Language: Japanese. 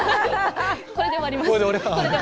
これで終わります。